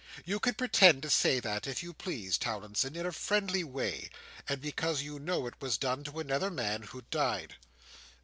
You can pretend to say that, if you please, Towlinson, in a friendly way, and because you know it was done to another man, who died."